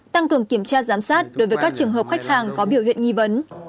tăng cường kiểm tra giám sát đối với các trường hợp khách hàng có biểu hiện nghi vấn